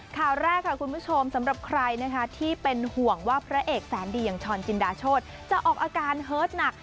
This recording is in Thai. ข่าวแรกค่ะคุณผู้ชมสำหรับใครนะคะที่เป็นห่วงว่าพระเอกแสนดีอย่างช้อนจินดาโชธจะออกอาการเฮิร์ตหนัก